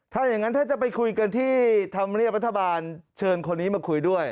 ถ้าอย่างนั้นถ้าจะไปคุยกันที่ธรรมเนียบรัฐบาลเชิญคนนี้มาคุยด้วย